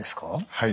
はい。